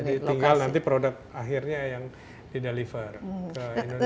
tinggal nanti produk akhirnya yang dideliver ke indonesia